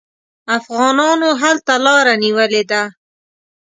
افغانانو هلته لاره نیولې ده.